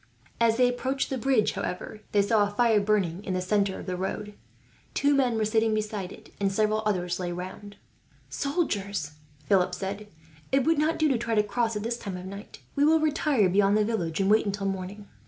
As they approached the bridge, however, they saw a fire burning in the centre of the road. Two men were sitting beside it, and several others lay round. "Soldiers!" Philip said. "It would not do to try to cross, at this time of night. We will retire beyond the village, and wait until morning."